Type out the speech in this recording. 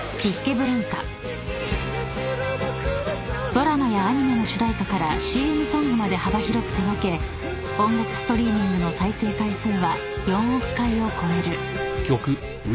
［ドラマやアニメの主題歌からＣＭソングまで幅広く手掛け音楽ストリーミングの再生回数は４億回を超える］